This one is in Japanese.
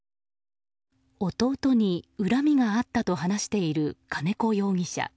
弟に恨みがあったと話している金子容疑者。